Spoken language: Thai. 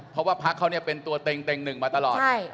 เพราะว่าพระเค้าเป็นตัวเติ่งหนึ่งมาตลอด